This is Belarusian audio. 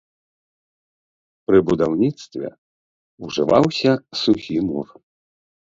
Пры будаўніцтве ўжываўся сухі мур.